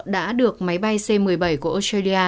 đã được máy bay c một mươi bảy của australia